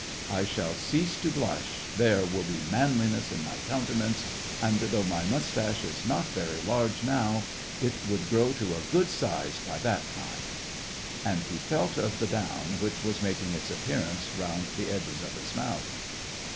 I shall cease to blush, there will be manliness in my counte nance, and, though my moustache is not very large now, it would grow to a good size by that time ;" and he felt of the down which was making its appearance round the edges of his mouth.